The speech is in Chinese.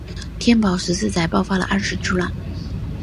天宝十四载爆发了安史之乱。